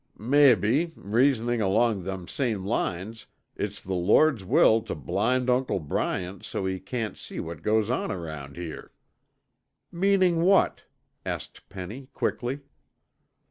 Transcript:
"Mebbe, reasonin' along them same lines, it's the Lord's will tuh blind Uncle Bryant so's he can't see what goes on around here." "Meaning what?" asked Penny quickly.